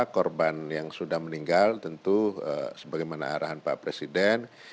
korban yang sudah meninggal tentu sebagaimana arahan pak presiden